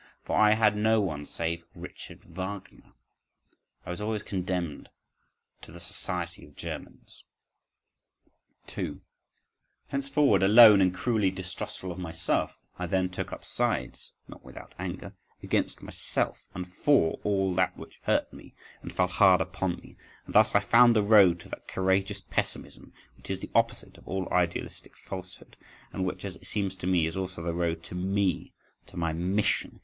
For I had no one save Richard Wagner.… I was always condemned to the society of Germans.… 2. Henceforward alone and cruelly distrustful of myself, I then took up sides—not without anger—against myself and for all that which hurt me and fell hard upon me; and thus I found the road to that courageous pessimism which is the opposite of all idealistic falsehood, and which, as it seems to me, is also the road to me—to my mission.